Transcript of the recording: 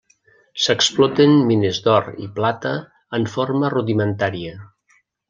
S'exploten mines d'or i plata en forma rudimentària.